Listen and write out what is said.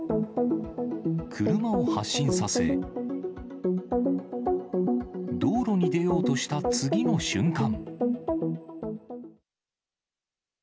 車を発進させ、道路に出ようとした次の瞬間。